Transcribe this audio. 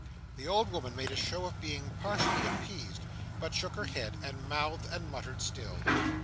The old woman made a show of being partially appeased, but shook her head, and mouthed and muttered still.